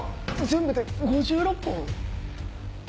全部で５６本？